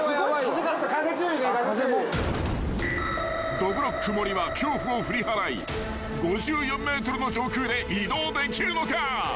［どぶろっく森は恐怖を振り払い５４ｍの上空で移動できるのか］